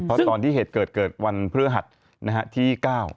เพราะตอนที่เห็นเกิดวันเครือหัสที่๙